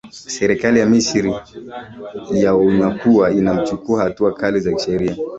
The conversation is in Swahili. serikali ya misri ya onyakuwa itamchukua hatua kali za sheria